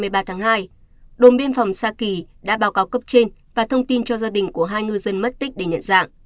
trong ngày hai mươi ba tháng hai đồn biên phòng saki đã báo cáo cấp trên và thông tin cho gia đình của hai ngư dân mất tích để nhận dạng